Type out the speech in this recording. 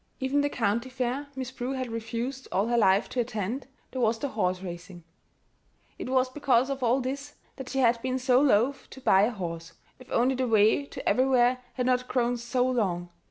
Even the county fair Miss Prue had refused all her life to attend there was the horse racing. It was because of all this that she had been so loath to buy a horse, if only the way to everywhere had not grown so long!